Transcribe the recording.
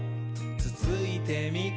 つついてみ？」